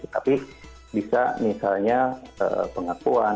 tapi bisa misalnya pengakuan